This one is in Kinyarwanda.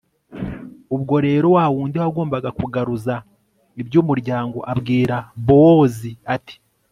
ubwo rero wawundi wagombaga kugaruza iby'umuryango abwira bowozi, ati